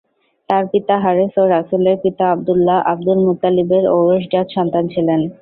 তাঁর পিতা হারেস ও রাসূলের পিতা আব্দুল্লাহ আব্দুল মুত্তালিবের ঔরসজাত সন্তান ছিলেন।